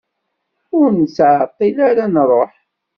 Ur nettɛeṭṭil ara ad nruḥ?